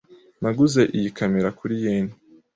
Naguze iyi kamera kuri yen .